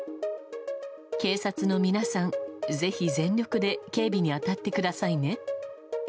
警察の皆さん、ぜひ全力で警備に当たってくださいね。